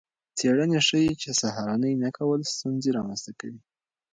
څیړنې ښيي چې د سهارنۍ نه کول ستونزې رامنځته کوي.